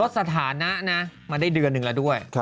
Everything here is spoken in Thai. สถานะนะมาได้เดือนหนึ่งแล้วด้วย